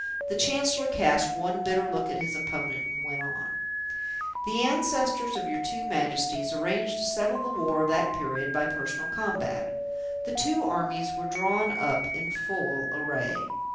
The Chancellor cast one bitter look at his opponent and went on: "The ancestors of your two Majesties arranged to settle the war of that period by personal combat. The two armies were drawn up in full array.